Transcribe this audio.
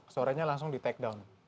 suaranya langsung di take down